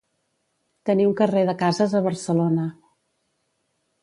Tenir un carrer de cases a Barcelona.